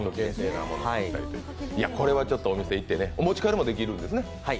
これはお店へ行ってねお持ち帰りもできるんですね。